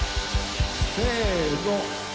せの。